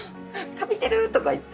「カビてる」とか言って。